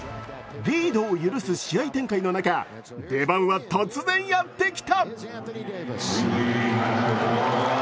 リードを許す試合展開の中出番は突然やってきた。